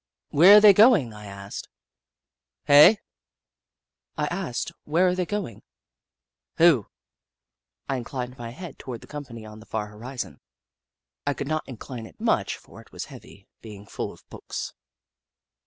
" Where are they going ?" I asked. "Hey?" " I asked where they were going." "Who?" I inclined my head toward the company on the far horizon. I could not incline it much, for it was heavy, being full of books.